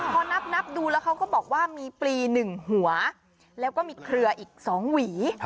พอนับดูแล้วเขาก็บอกว่ามีปลี๑หัวแล้วก็มีเครืออีก๒หวี